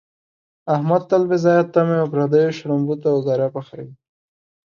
احمد تل بې ځایه تمې او پردیو شړومبو ته اوګره پحوي.